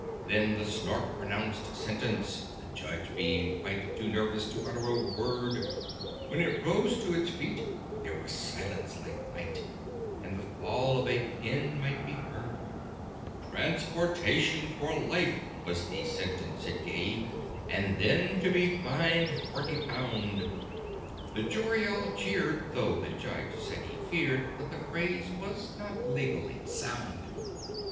Then the Snark pronounced sentence, the Judge being quite Too nervous to utter a word: When it rose to its feet, there was silence like night, And the fall of a pin might be heard. "Transportation for life" was the sentence it gave, "And then to be fined forty pound." The Jury all cheered, though the Judge said he feared That the phrase was not legally sound.